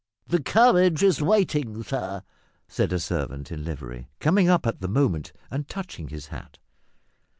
"The carriage is waiting, sir," said a servant in livery, coming up at the moment and touching his hat.